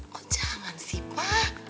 kok jangan sih pa